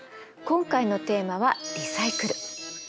今回のテーマは「リサイクル」。